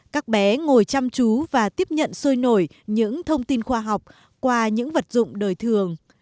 các bé ngồi chăm chú và tiếp nhận sôi nổi những thông tin khoa học qua những vật dụng đời thường